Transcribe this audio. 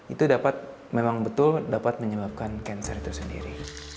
itu dapat memang betul dapat menyebabkan cancer itu sendiri